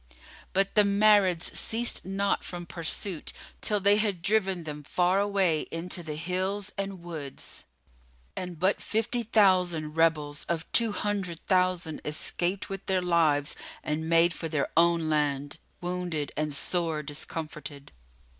But the Marids ceased not from pursuit, till they had driven them far away into the hills and words; and but fifty thousand Rebels[FN#30] of two hundred thousand escaped with their lives and made for their own land, wounded and sore discomfited.